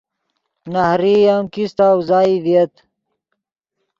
نہریئی ام کیستہ اوزائی ڤییت